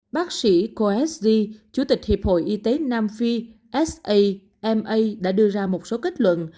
bác sĩ khoa s d chủ tịch hiệp hội y tế nam phi s a m a đã đưa ra một số kết luận